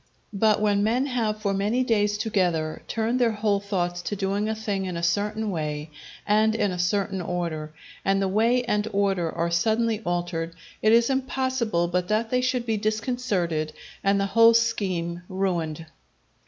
But when men have for many days together turned their whole thoughts to doing a thing in a certain way and in a certain order, and the way and order are suddenly altered, it is impossible but that they should be disconcerted and the whole scheme ruined.